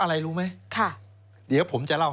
เอ๊ทำถูกกฎหมายแล้วมีการกวาดล้างที่สุดในประวัติศาสตร์ของเยอรมัน